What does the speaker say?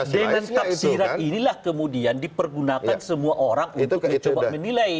dengan taksiran inilah kemudian dipergunakan semua orang untuk mencoba menilai